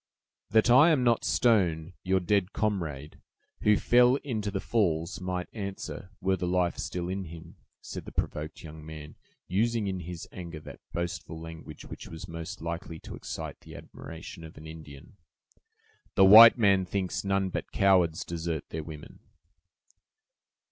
"That I am not stone, your dead comrade, who fell into the falls, might answer, were the life still in him," said the provoked young man, using, in his anger, that boastful language which was most likely to excite the admiration of an Indian. "The white man thinks none but cowards desert their women."